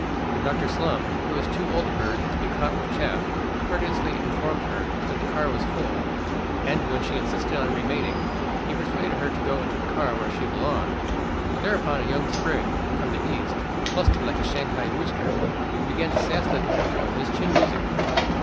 Conductor Slum, who is too old a bird to be caught with chaff, courteously informed her that the car was full, and when she insisted on remaining, he persuaded her to go into the car where she belonged. Thereupon a young sprig, from the East, blustered like a Shanghai rooster, and began to sass the conductor with his chin music.